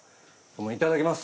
いただきます！